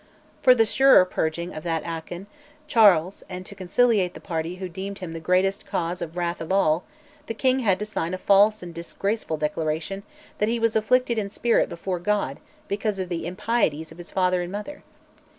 For the surer purging of that Achan, Charles, and to conciliate the party who deemed him the greatest cause of wrath of all, the king had to sign a false and disgraceful declaration that he was "afflicted in spirit before God because of the impieties of his father and mother"!